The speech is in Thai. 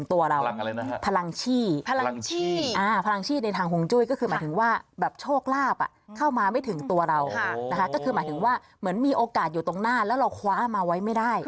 ทางหงจุ่ยก็คือหมายถึงว่าแบบโชคลาบเที่ยวมาไม่ถึงตัวเราก็คือหมายถึงว่าเหมือนมีโอกาสอยู่ตรงหน้าแล้วเราคว้ามาไว้ไม่ได้